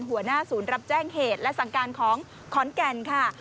หัวหน้าศูนย์รับแจ้งเหตุและสั่งการของขอนแก่นค่ะ